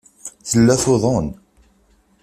Tella tuḍen.